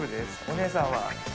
お姉さんは。